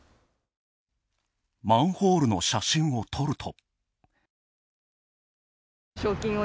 マンホールの写真を撮ると。